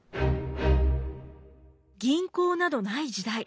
銀行などない時代。